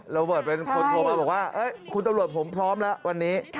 ระเบิดเป็นคนโทรไปบอกว่าคุณตำรวจผมพร้อมแล้ววันนี้